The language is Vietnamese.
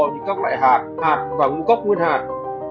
như các loại hạt hạt và ngũ cốc nguyên hạt